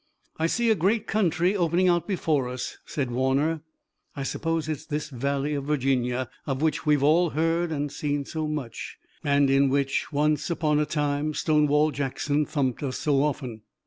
"I see a great country opening out before us," said Warner. "I suppose it's this Valley of Virginia, of which we've all heard and seen so much, and in which once upon a time Stonewall Jackson thumped us so often."